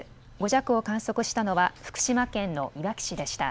５弱を観測したのは福島県のいわき市でした。